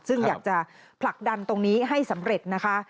ซึ่งอยากจะผลักดันตรงนี้ให้สำเร็จนะคะ